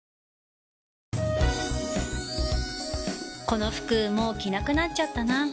この服もう着なくなっちゃったな